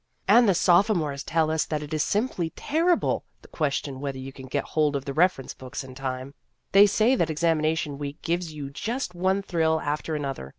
And the sophomores tell us that it is simply terri ble the question whether you can get hold of the reference books in time. They say that examination week gives you just one thrill after another.